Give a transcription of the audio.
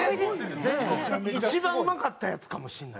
一番うまかったヤツかもしれない。